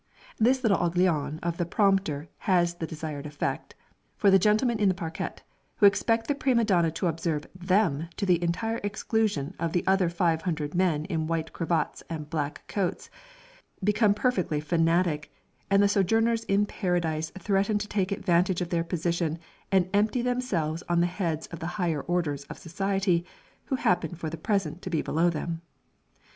This little aiguillon of the prompter has the desired effect, for the gentlemen in the parquette, who expect the prima donna to observe them to the entire exclusion of the other five hundred men in white cravats and black coats, become perfectly frantic, and the sojourners in "paradise" threaten to take advantage of their position and empty themselves on the heads of the higher orders of society, who happen for the present to be below them.